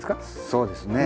そうですね。